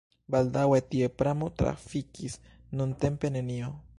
Baldaŭe tie pramo trafikis, nuntempe nenio.